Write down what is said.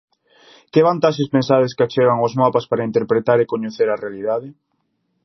Que vantaxes pensades que achegan os mapas para interpretar e coñecer a realidade?